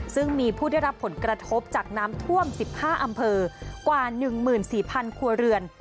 ซึ่งมีผู้ได้รับผลกระทบจากน้ำท่วม๑๕อำเภอกว่า๑๔๐๐ครัวเรือน